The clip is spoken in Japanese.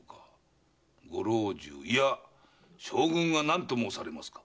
ご老中いや将軍が何と申されますか。